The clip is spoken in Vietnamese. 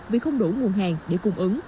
vì không đủ nguồn hàng để cung ứng